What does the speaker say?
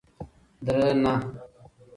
درنه